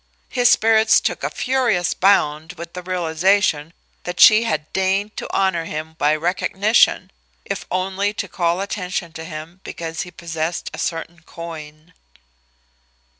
His spirits took a furious bound with the realization that she had deigned to honor him by recognition, if only to call attention to him because he possessed a certain coin.